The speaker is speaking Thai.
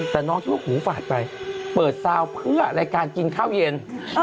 แต่น้องคิดว่าหูฝาดไปเปิดซาวเพื่อรายการกินข้าวเย็น